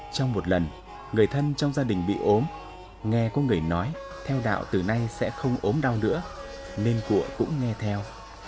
trong một lần người thân trong gia đình bị ốm nghe có người nói theo đạo từ nay sẽ không ốm đau nữa nên cụa cũng nghe theo